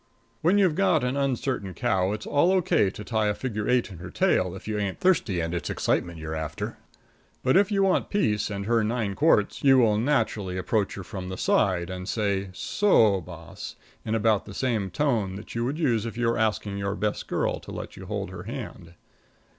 When you've got an uncertain cow it's all O.K. to tie a figure eight in her tail, if you ain't thirsty, and it's excitement you're after; but if you want peace and her nine quarts, you will naturally approach her from the side, and say, So boss, in about the same tone that you would use if you were asking your best girl to let you hold her hand.